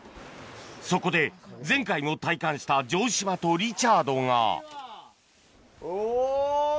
そこで前回も体感した城島とリチャードがおぉい！